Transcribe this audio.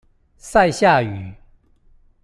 賽夏語